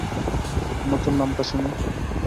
নতুন নামটা শুনি।